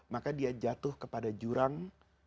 maka dia jatuh kepada jurang